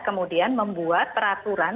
kemudian membuat peraturan